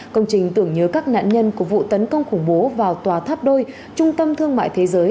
công trình tưởng nhớ các nạn nhân của vụ tấn công khủng bố vào tòa tháp đôi trung tâm thương mại thế giới